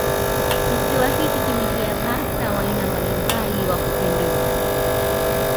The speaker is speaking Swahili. kisiwa hiki kimejaa bata wa aina mbalimbali wa kupendeza